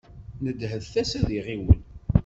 Nedhet-as ad iɣiwel.